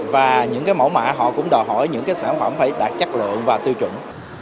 và những mẫu mã họ cũng đòi hỏi những cái sản phẩm phải đạt chất lượng và tiêu chuẩn